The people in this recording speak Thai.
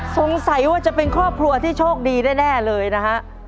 สงสัยว่าจะเป็นครอบครัวที่โชคดีแน่เลยนะฮะ